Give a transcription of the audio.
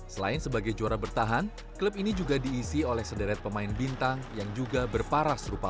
selain sebagai juara bertahan klub ini juga diisi oleh sederet pemain bintang yang juga berparah serupa